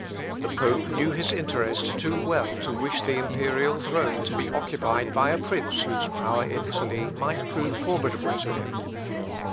The pope knew his interest too well to wish the imperial throne to be occupied by a prince whose power in Italy might prove formidable to him.